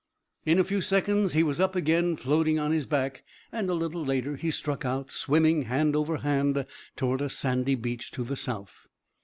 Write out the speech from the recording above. In a few seconds he was up again, floating on his back; and a little later he struck out, swimming hand over hand, toward a sandy beach to the south.